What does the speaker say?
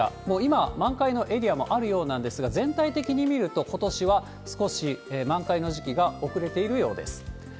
もう今、満開のエリアもあるようなんですが、全体的に見ると、ことしは少し満開の時期が遅れているようです。